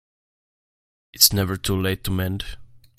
It's never too late to mend.